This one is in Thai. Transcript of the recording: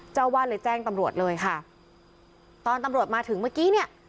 เจ้าวาดเลยแจ้งตำรวจเลยค่ะตอนตำรวจมาถึงเมื่อกี้เนี่ย